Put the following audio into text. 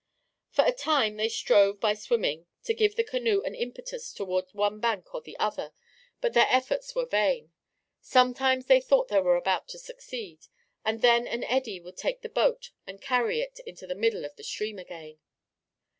For a time they strove by swimming to give the canoe an impetus towards one bank or the other; but their efforts were vain. Sometimes they thought they were about to succeed, and then an eddy would take the boat and carry it into the middle of the stream again.